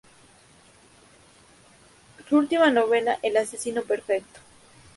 Su última novela, "El asesino perfecto.